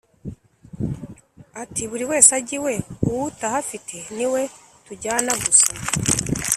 ati"buriwese ajye iwe uwutahafite niwe tujyana gusa "